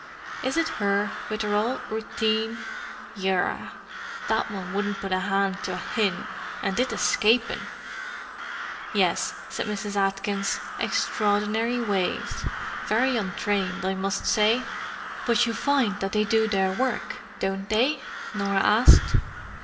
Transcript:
"Is it her, with her ould routheen? Yerra, that one wouldn't put a hand to a hin, and it eshcapin'!" "Yes," said Mrs. Atkins. "Extraordinary ways. Very untrained, I must say." "But you find that they do their work, don't they?" Norah asked.